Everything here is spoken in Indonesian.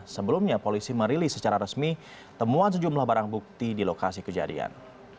sebelumnya polisi merilis secara resmi temuan sejumlah barang bukti di lokasi kejadian